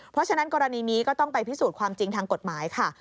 เพราะฉะนั้นกรณีนี้ก็ต้องไปพิสูจน์ความจริงทางกฎหมายค่ะ